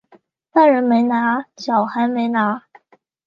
大人没拿小孩没拿